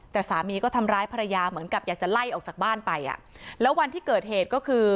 แต่สามีก็ทำร้ายภรรยาเหมือนกับอยากจะไล่ออกจากบ้านไปอ่ะแล้ววันที่เกิดเหตุก็คือ